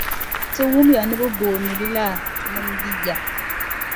Ti wumya ni bɛ booni li la nimdi ya.